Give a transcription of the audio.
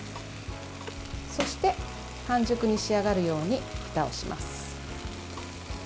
そして、半熟に仕上がるようにふたをします。